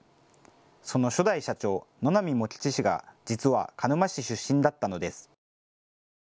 その初代社長、野並茂吉氏が実は鹿沼市出身だったのです。